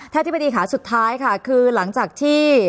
ถ้าที่พอดีค่ะสุดท้ายคือหลังจากที่